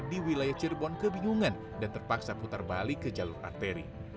di wilayah cirebon kebingungan dan terpaksa putar balik ke jalur arteri